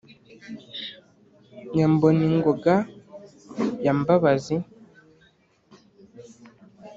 ya mboningoga ya mbabazi